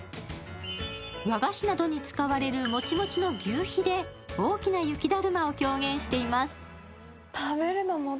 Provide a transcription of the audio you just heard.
和菓子などに使われるモチモチのぎゅうひで大きな雪だるまを表現しています。